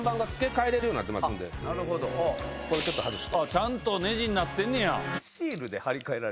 ちゃんとネジになってんねや。